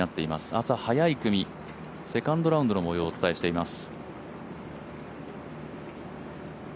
朝早い組、セカンドラウンドの模様をお伝えしています。